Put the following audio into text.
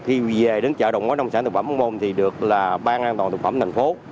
khi mà ngặt khi về đến chợ đầu mối nông sản thực phẩm hồ hồ hồn thì được là bang an toàn thực phẩm thành phố